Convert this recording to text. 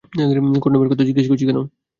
কনডমের কথা জিজ্ঞেস করছি?